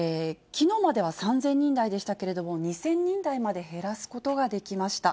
きのうまでは３０００人台でしたけれども、２０００人台まで減らすことができました。